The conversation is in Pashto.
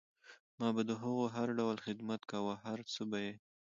ما به د هغو هر ډول خدمت کوه او هر څه به یې